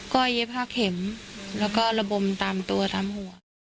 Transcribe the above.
ก็เย็บ๕เข็มแล้วก็ระบมตามตัวตามหัว